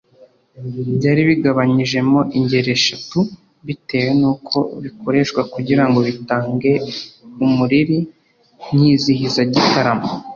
Byari bigabanyijemo ingeri eshatu bitewe n’uko bikoreshwa kugira ngo bitange umuriri nyizihizagitaramo.